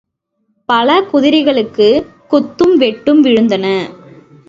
பல குதிரைகளுக்கு குத்தும் வெட்டும் விழுந்தன.